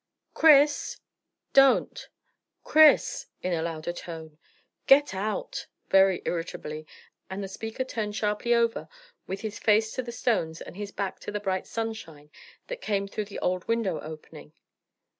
"Chris!" "Don't!" "Chris!" in a louder tone. "Get out!" very irritably, and the speaker turned sharply over with his face to the stones and his back to the bright sunshine that came through the old window opening.